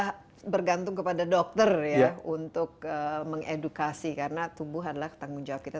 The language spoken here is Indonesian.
kita bergantung kepada dokter ya untuk mengedukasi karena tubuh adalah tanggung jawab kita